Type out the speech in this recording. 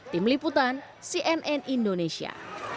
tim liputan cnn indonesia